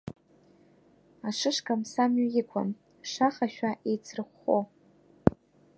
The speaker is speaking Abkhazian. Ашышкамс амҩа иқәын, шахашәа еицрыхәхәо.